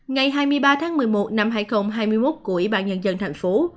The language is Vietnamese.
ngày hai mươi ba tháng một mươi một năm hai nghìn hai mươi một của ủy ban nhân dân thành phố